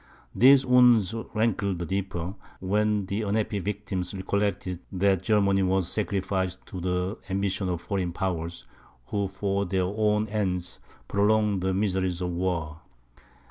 These wounds rankled the deeper, when the unhappy victims recollected that Germany was sacrificed to the ambition of foreign powers, who, for their own ends, prolonged the miseries of war.